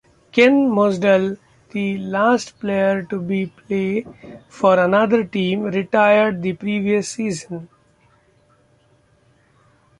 Ken Mosdell, the last player to play for another team, retired the previous season.